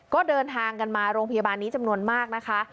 ก็เดินทางกันมาโรงพยาบาลนี้จำนวนมากนะคะ